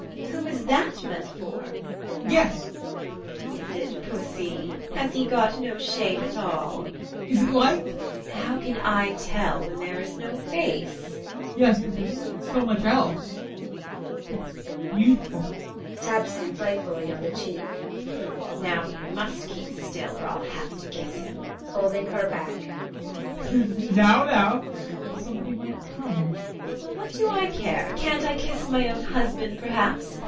Who is that meant for? ADOLPH. Guess! TEKLA. Is it Pussy? Has he got no shame at all? ADOLPH. Is it like? TEKLA. How can I tell when there is no face? ADOLPH. Yes, but there is so much else that's beautiful! TEKLA. [Taps him playfully on the cheek] Now he must keep still or I'll have to kiss him. ADOLPH. [Holding her back] Now, now! Somebody might come! TEKLA. Well, what do I care? Can't I kiss my own husband, perhaps?